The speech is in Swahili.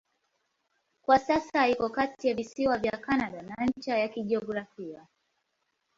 Kwa sasa iko kati ya visiwa vya Kanada na ncha ya kijiografia.